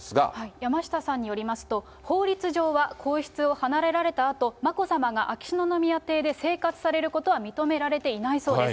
山下さんによりますと、法律上は皇室を離れられたあと、眞子さまが秋篠宮邸で生活されることは認められていないそうです。